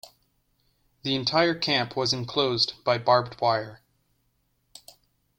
The entire camp was enclosed by barbed wire.